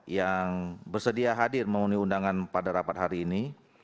yang bersedia hadir memenuhi undangan pada rapat hari ini